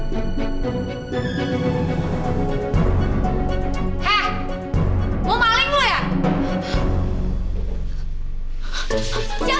jangan lupa jangan lupa jangan lupa